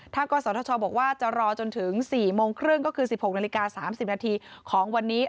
กศธชบอกว่าจะรอจนถึง๔โมงครึ่งก็คือ๑๖นาฬิกา๓๐นาทีของวันนี้